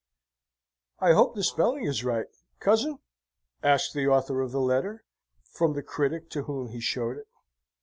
"I hope the spelling is right, cousin?" asked the author of the letter, from the critic to whom he showed it.